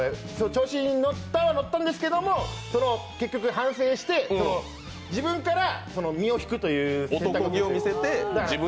調子に乗ったは乗ったんですけども、結局、反省して、自分から身を引くという選択をして。